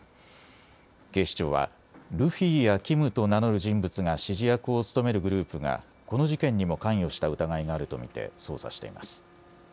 警視庁はルフィやキムと名乗る人物が指示役を務めるグループがこの事件にも関与した疑いがあると見て捜査しています。